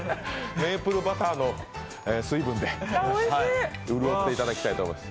メープルバターの水分で潤っていただきたいと思います。